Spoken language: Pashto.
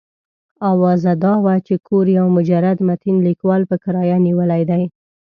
اوازه دا وه چې کور یو مجرد متین لیکوال په کرایه نیولی دی.